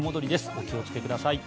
お気をつけください。